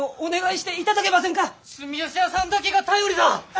住吉屋さんだけが頼りだ！